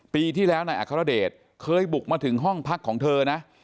ปีที่แล้วนายอัครเดชเคยบุกมาถึงห้องพักของเธอนะ